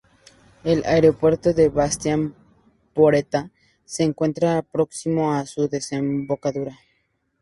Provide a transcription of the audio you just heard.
El aeropuerto de "Bastia-Poretta" se encuentra próximo a su desembocadura.